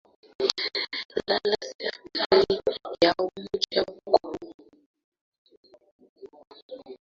la la serikali ya umoja huko